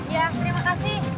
iya terima kasih